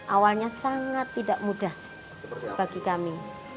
awalnya sangat tidak mudah bagi kami